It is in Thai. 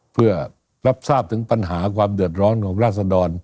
เพื่อรับทราบถึงปัญหาความเดือดร้อนของราศดร